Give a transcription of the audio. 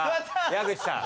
矢口さん